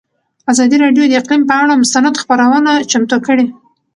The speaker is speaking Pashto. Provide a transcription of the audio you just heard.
ازادي راډیو د اقلیم پر اړه مستند خپرونه چمتو کړې.